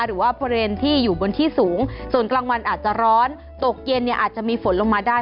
หรือว่าบริเวณที่อยู่บนที่สูงส่วนกลางวันอาจจะร้อนตกเย็นเนี่ยอาจจะมีฝนลงมาได้